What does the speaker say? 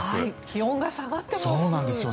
気温が下がってます。